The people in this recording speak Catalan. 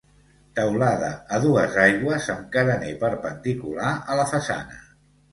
Teulada a dues aigües amb carener perpendicular a la façana.